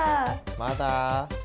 まだ？